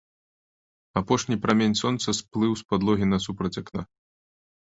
Апошні прамень сонца сплыў з падлогі насупраць акна.